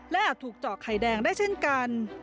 และอาจถูกเจาะไข่แดงได้เช่นกัน